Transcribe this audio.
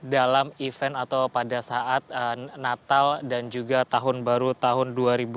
dalam event atau pada saat natal dan juga tahun baru tahun dua ribu dua puluh